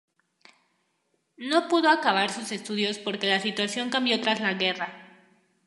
No pudo acabar sus estudios porque la situación cambió tras la guerra.